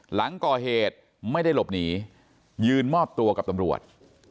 หลังก่อเหตุไม่ได้หลบหนียืนมอบตัวกับตำรวจ